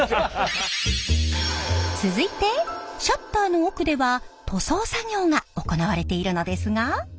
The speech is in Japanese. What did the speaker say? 続いてシャッターの奥では塗装作業が行われているのですが。